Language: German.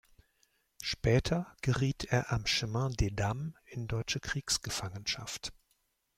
Später geriet er am Chemin des Dames in deutsche Kriegsgefangenschaft.